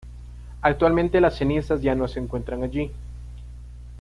Actualmente las cenizas ya no se encuentran allí.